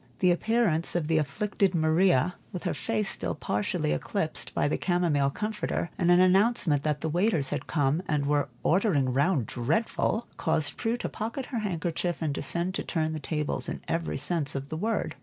The appearance of the afflicted Maria, with her face still partially eclipsed by the chamomile comforter, and an announcement that the waiters had come and were "ordering round dreadful," caused Prue to pocket her handkerchief and descend to turn the tables in every sense of the word.